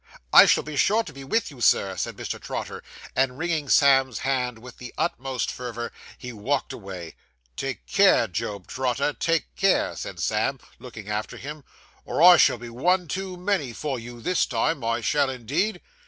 'I shall be sure to be with you, sir,' said Mr. Trotter; and wringing Sam's hand with the utmost fervour, he walked away. 'Take care, Job Trotter, take care,' said Sam, looking after him, 'or I shall be one too many for you this time. I shall, indeed.